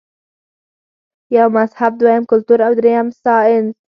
يو مذهب ، دويم کلتور او دريم سائنس -